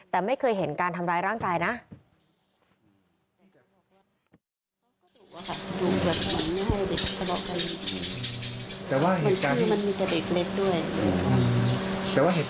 แต่ไม่เคยเห็นการทำร้ายร่างกายนะ